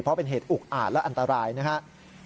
เพราะเป็นเหตุอุกอาจและอันตรายนะครับ